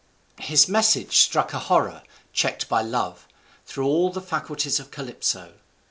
His message struck a horror, checked by love, through all the faculties of Calypso.